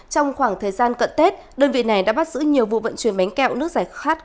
trong khoảng thời gian cận tết đơn vị này đã bắt giữ nhiều vụ vận chuyển bánh kẹo nước giải khát